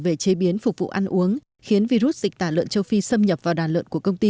về chế biến phục vụ ăn uống khiến virus dịch tả lợn châu phi xâm nhập vào đàn lợn của công ty